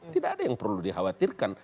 tidak ada yang perlu dikhawatirkan